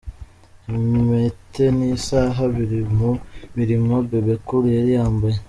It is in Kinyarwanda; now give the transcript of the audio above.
Impete n'isaha biri mu mirimbo Bebe Cool yari yambaye.